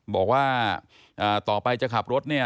บอกว่าต่อไปจะขับรถเนี่ย